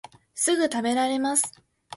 すぐたべられます